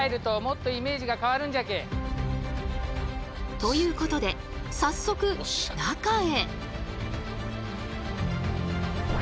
ということで早速中へ。